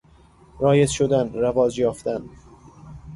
رایج شدن، رواج یافتن